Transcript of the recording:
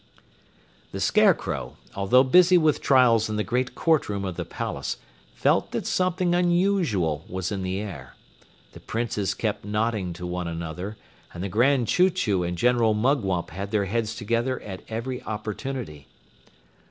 The Scarecrow, although busy with trials in the great courtroom of the palace, felt that something unusual was in the air. The Princes kept nodding to one another, and the Grand Chew Chew and General Mugwump had their heads together at every opportunity.